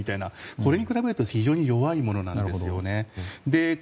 これに比べると非常に弱いものなんですよね。